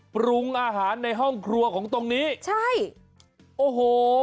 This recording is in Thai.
ปรุงอาหารในห้องครัวของตรงนี้ใช่โอ้โห